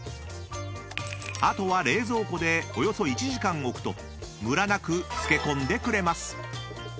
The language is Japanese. ［あとは冷蔵庫でおよそ１時間置くとむらなく漬け込んでくれます］